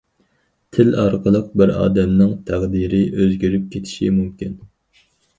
تىل ئارقىلىق بىر ئادەمنىڭ تەقدىرى ئۆزگىرىپ كېتىشى مۇمكىن.